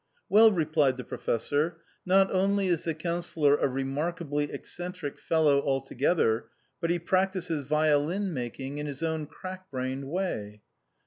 "Well," replied the Professor, "not only is the Councillor a remarkably eccentric fellow altogether, but he practises violin making in his own crack brained way."